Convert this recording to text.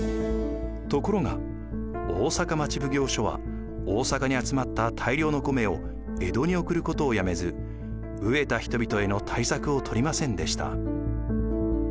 ところが大坂町奉行所は大坂に集まった大量の米を江戸に送ることをやめず飢えた人々への対策を取りませんでした。